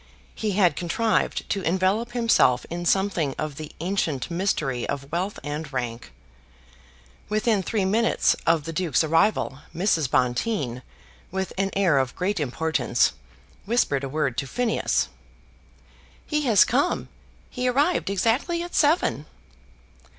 He had contrived to envelope himself in something of the ancient mystery of wealth and rank. Within three minutes of the Duke's arrival Mrs. Bonteen, with an air of great importance, whispered a word to Phineas. "He has come. He arrived exactly at seven!"